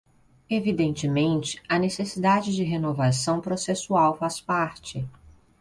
Evidentemente, a necessidade de renovação processual faz parte